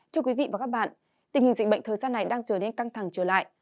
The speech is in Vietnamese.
thưa quý vị và các bạn tình hình dịch bệnh thời gian này đang trở nên căng thẳng trở lại